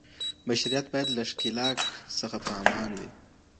بشريت بايد له ښکېلاک څخه په امان وي.